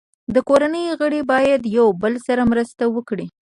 د کورنۍ غړي باید یو بل سره مرسته وکړي.